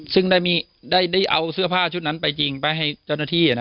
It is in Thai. ซึ่งได้เอาเสื้อผ้าชุดนั้นไปยิงไปให้เจ้าหน้าที่